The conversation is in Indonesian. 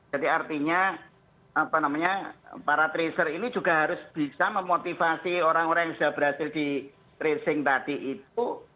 jadi artinya para tracer ini juga harus bisa memotivasi orang orang yang sudah berhasil di tracing tadi itu